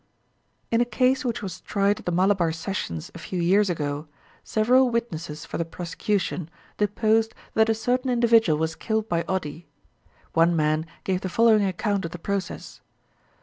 In a case which was tried at the Malabar Sessions a few years ago, several witnesses for the prosecution deposed that a certain individual was killed by odi. One man gave the following account of the process.